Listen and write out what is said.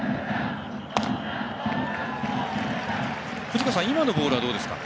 藤川さん、今のボールはどうですか？